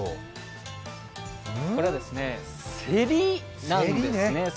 これは、せりなんですね。